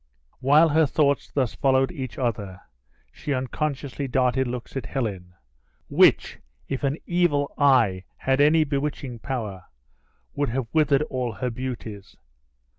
While her thoughts thus followed each other, she unconsciously darted looks on Helen, which, if an evil eye had any bewitching power, would have withered all her beauties.